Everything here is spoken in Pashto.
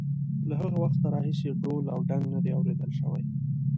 له هغه وخته راهیسې ډول او ډنګ نه دی اورېدل شوی.